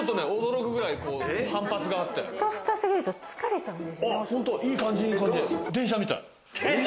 ふかふかすぎると疲れちゃうんです。